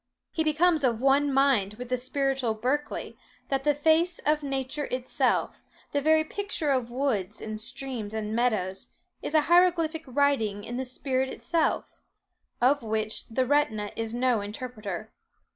He becomes of one mind with the spiritual Berkeley, that the face of nature itself, the very picture of woods, and streams, and meadows, is a hieroglyphic writing in the spirit itself, of which the retina is no interpreter.